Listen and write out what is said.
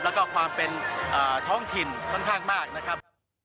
แล้วก็ความเป็นท้องถิ่นค่อนข้างมากนะครับ